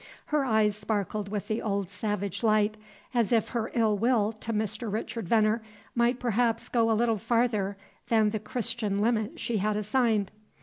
Her eyes sparkled with the old savage light, as if her ill will to Mr. Richard Veneer might perhaps go a little farther than the Christian limit she had assigned.